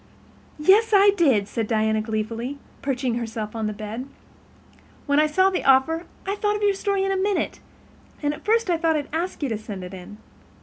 "Yes, I did," said Diana gleefully, perching herself on the bed. "When I saw the offer I thought of your story in a minute, and at first I thought I'd ask you to send it in.